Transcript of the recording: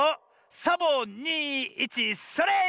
サボ２１それ！